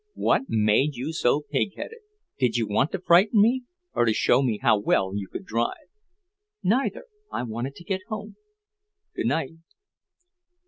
"What made you so pig headed? Did you want to frighten me? or to show me how well you could drive?" "Neither. I wanted to get home. Good night."